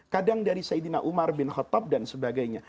kadang dari sayyidina umar bin khattab dan sebagainya